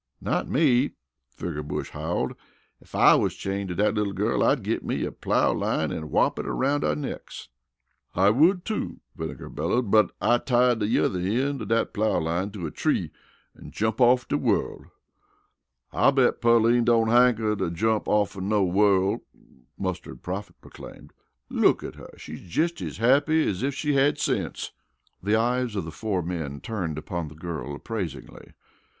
"Not me!" Figger Bush howled. "Ef I wus chained to dat little gal, I'd git me a plow line an' wrop it aroun' our necks." "I would, too," Vinegar bellowed. "But I'd tie de yuther eend of dat plow line to a tree an' jump off de worl'." "I bet Pearline don't hanker to jump offen no worl'," Mustard Prophet proclaimed. "Look at her she's jes' as happy as ef she had sense." The eyes of the four men turned upon the girl appraisingly.